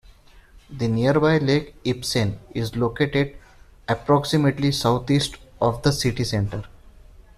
The nearby Lake Ibsen is located approximately south-east of the city center.